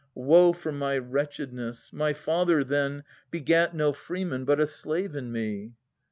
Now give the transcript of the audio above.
Woe for my wretchedness ! My father, then, Begat no freeman, but a slave in me.